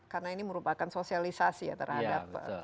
karena ini merupakan sosialisasi ya terhadap